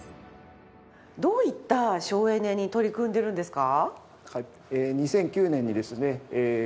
どういった省エネに取り組んでいるんですか？